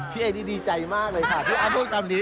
พี่เอนี่ดีใจมากเลยค่ะ